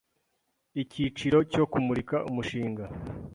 ikiciro cyo kumurika umushinga